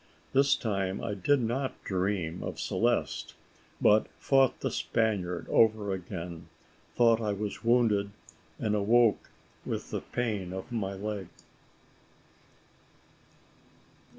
This time I did not dream of Celeste, but fought the Spaniard over again, thought I was wounded, and awoke with the pain of my leg.